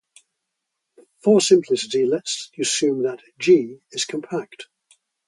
For simplicity let's assume that "G" is compact.